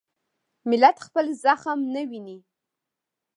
ملت خپل زخم نه ویني.